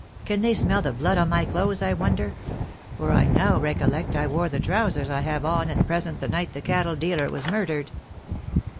"Can they smell the blood on my clothes, I wonder? for I now recollect I wore the trousers I have on at present the night the cattle dealer was murdered."